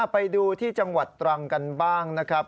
ไปดูที่จังหวัดตรังกันบ้างนะครับ